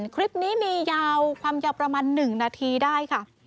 คลิปนี้มียาวความยาวประมาณ๑นาทีได้ค่ะ